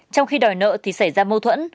trong khi đòi nợ thì xảy ra mâu thuẫn